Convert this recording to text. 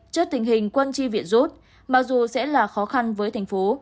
trước tình hình quân chi viện rốt mặc dù sẽ là khó khăn với thành phố